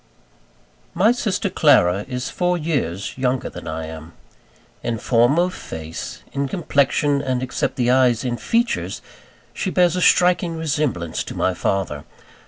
My sister Clara is four years younger than I am. In form of face, in complexion, and except the eyes in features, she bears a striking resemblance to my father.